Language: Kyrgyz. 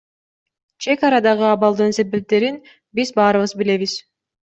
Чек арадагы абалдын себептерин биз баарыбыз билебиз.